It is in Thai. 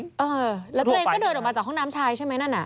เออแล้วตัวเองก็เดินออกมาจากห้องน้ำชายใช่ไหมนั่นน่ะ